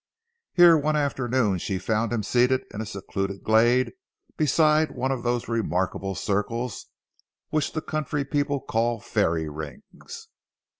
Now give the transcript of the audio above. Here one afternoon, she found him seated in a secluded glade beside one of those remarkable circles, which the country people call fairy rings.